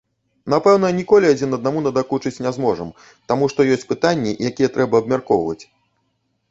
Напэўна, ніколі адзін аднаму надакучыць не зможам, таму што ёсць пытанні, якія трэба абмяркоўваць.